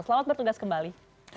selamat bertugas kembali